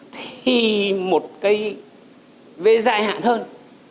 thì một cái về dài hạn hơn